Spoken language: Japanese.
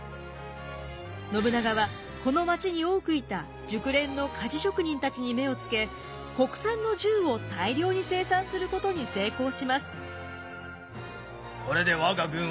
信長はこの街に多くいた熟練の鍛冶職人たちに目をつけ国産の銃を大量に生産することに成功します。